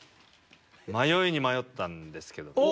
迷いに迷ったんですけど。